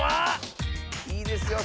いいですよ。